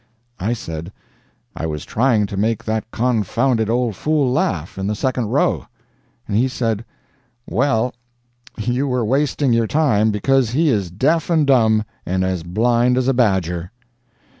I said: "I was trying to make that confounded old fool laugh, in the second row." And he said: "Well, you were wasting your time, because he is deaf and dumb, and as blind as a badger!"